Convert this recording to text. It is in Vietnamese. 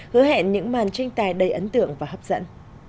hứa hẹn những màn tranh tài đầy ấn tượng và hấp dẫn